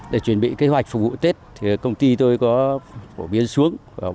để chuẩn bị kế hoạch phục vụ tết công ty tôi có biến xuống